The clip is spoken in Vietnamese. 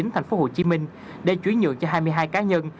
thành phố hồ chí minh để chuyển nhượng cho hai mươi hai cá nhân